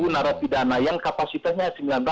tiga ribu naruh pidana yang kapasitasnya sembilan ratus